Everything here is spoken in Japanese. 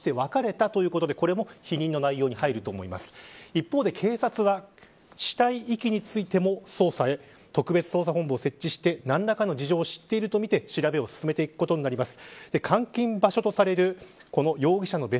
一方で警察は死体遺棄についても特別捜査本部を設置して何らかの事情を知っているとみて調べを進めていくことになります。